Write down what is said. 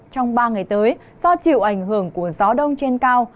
trong ba ngày tới do chịu ảnh hưởng của gió đông trên cao